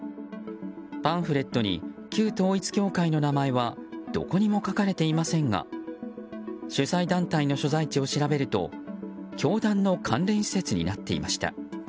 パンフレットに旧統一教会の名前はどこにも書かれていませんが主催団体の所在地を調べると教団の関連施設になっていました。